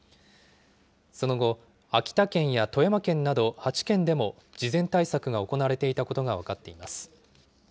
その後、秋田県や富山県など８県でも事前対策が行われていたことが分かっています。